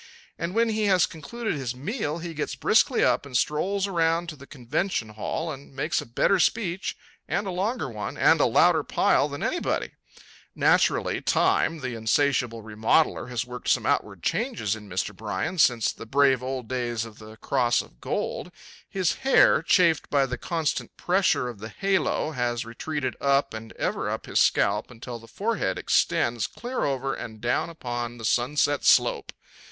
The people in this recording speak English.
And when he has concluded his meal he gets briskly up and strolls around to the convention hall and makes a better speech and a longer one and a louder pile than anybody. Naturally, time, the insatiable remodeler, has worked some outward changes in Mr. Bryan since the brave old days of the cross of gold. His hair, chafed by the constant pressure of the halo, has retreated up and ever up his scalp until the forehead extends clear over and down upon the sunset slope.